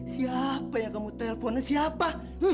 siapa yang kamu telponnya siapa